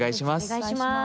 お願いします。